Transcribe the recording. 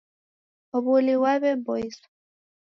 W'uli ghwaw'eboiswa.